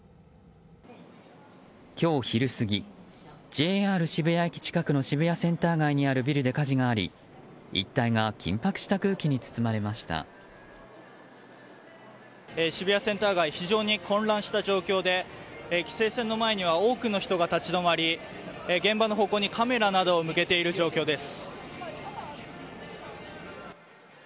今日昼過ぎ、ＪＲ渋谷駅近くの渋谷センター街にあるビルで火事があり一帯が渋谷センター街非常に混乱した状況で規制線の前には多くの人が立ち止まり現場の方向にカメラなどを向けている状況です。